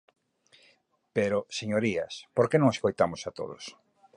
Pero, señorías, ¿por que non escoitamos a todos?